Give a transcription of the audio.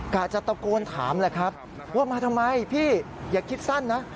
กะจะตะโกนถามแหละครับว่ามาทำไมพี่อย่าคิดสั้นนะ